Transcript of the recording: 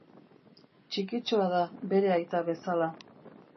Txikitxoa da, bere aita bezala.